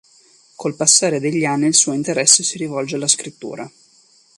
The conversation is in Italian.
Col passare degli anni il suo interesse si rivolge alla scrittura.